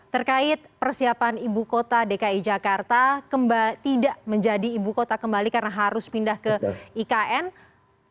terkait persiapan ibu kota dki jakarta tidak menjadi ibu kota kembali karena harus pindah ke ikn